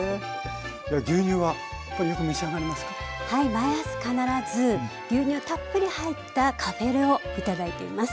毎朝必ず牛乳たっぷり入ったカフェオレ頂いています。